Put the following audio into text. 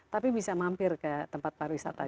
tapi bisa mampir ke tempat pariwisata